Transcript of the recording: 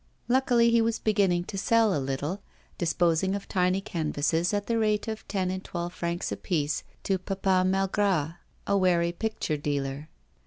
Luckily he was beginning to sell a little; disposing of tiny canvases, at the rate of ten and twelve francs a piece, to Papa Malgras, a wary picture dealer.